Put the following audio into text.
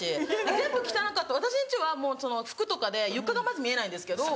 全部汚かったら私んちは服とかで床がまず見えないんですけど。